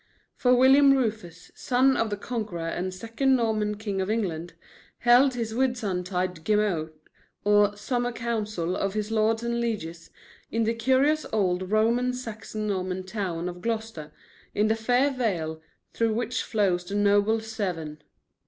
For William Rufus, son of the Conqueror and second Norman king of England, held his Whitsuntide gemot, or summer council of his lords and lieges, in the curious old Roman Saxon Norman town of Gloucester, in the fair vale through which flows the noble Severn.